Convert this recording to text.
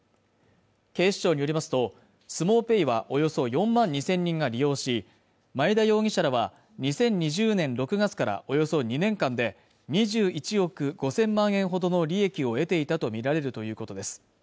警視庁によりますとＳＵＭＯＰＡＹはおよそ４万２０００人が利用し前田容疑者らは２０２０年６月からおよそ２年間で２１億５０００万円ほどの利益を得ていたとみられるということです